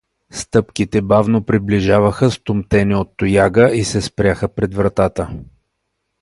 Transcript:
Стъпките бавно приближаваха с тумтене от тояга и се спряха пред вратата.